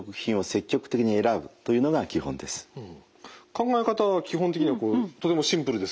考え方は基本的にはとてもシンプルですけどね。